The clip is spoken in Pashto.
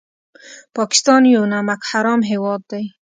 پاکستان یو نمک حرام هېواد دی